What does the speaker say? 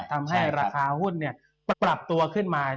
ทำให้ราคาหุ้นปรับตัวขึ้นมา